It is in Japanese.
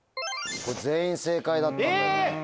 全員正解だったんだよ。え！